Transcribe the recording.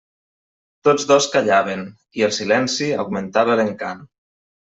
Tots dos callaven, i el silenci augmentava l'encant.